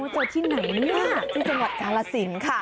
เจอที่ไหนเนี่ยที่จังหวัดกาลสินค่ะ